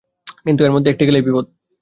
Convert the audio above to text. কিন্তু এর মধ্যে একটি গেলেই বিপদ।